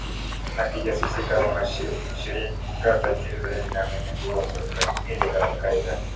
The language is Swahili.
na kijasusi kama mshirika tajiri zaidi na mwenye nguvu wa kundi la kigaidi la al Qaida